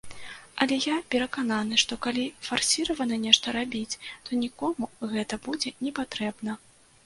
Але я перакананы, што, калі фарсіравана нешта рабіць, то нікому гэта будзе непатрэбна.